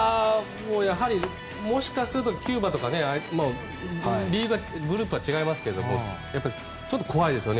もしかするとキューバとかグループは違いますけどもやっぱりちょっと怖いですよね。